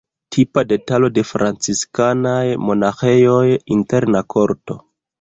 Tipa detalo de franciskanaj monaĥejoj: interna korto.